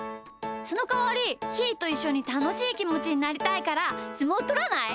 そのかわりひーといっしょにたのしいきもちになりたいからすもうとらない？